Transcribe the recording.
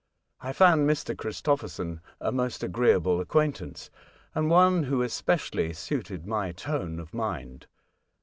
I found Mr. Christo pherson a most agreeable acquaintance, and one who especially suited my tone of mind.